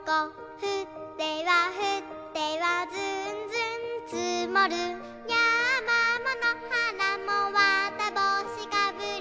「ふってはふってはずんずんつもる」「やまものはらもわたぼうしかぶり」